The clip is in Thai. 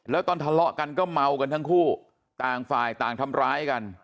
แล้วตอนทะเลาะกันก็เมากันทั้งคู่ต่างฝ่ายต่างทำร้ายกัน